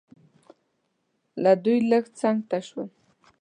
له دوی لږ څنګ ته شوم.